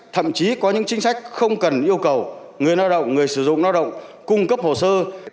thậm chí có những chính sách không cần yêu cầu người lao động người sử dụng lao động cung cấp hồ sơ